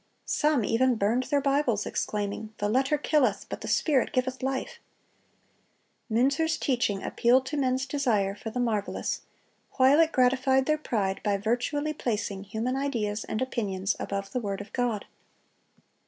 Some even burned their Bibles, exclaiming, "The letter killeth, but the Spirit giveth life." Münzer's teaching appealed to men's desire for the marvelous, while it gratified their pride by virtually placing human ideas and opinions above the word of God.